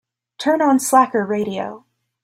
Turn on Slacker radio.